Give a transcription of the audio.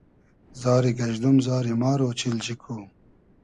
زاری گئژدوم ، زاری مار اۉچیلجی کو